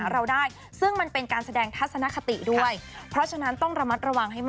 เราสื่อสารไปหาคนที่